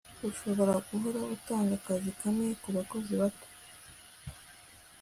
urashobora guhora utanga akazi kamwe kubakozi bato